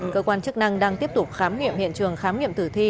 cơ quan chức năng đang tiếp tục khám nghiệm hiện trường khám nghiệm tử thi